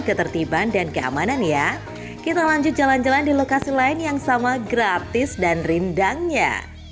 ketertiban dan keamanan ya kita lanjut jalan jalan di lokasi lain yang sama gratis dan rindangnya